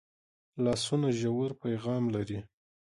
لاسونه ژور پیغام لري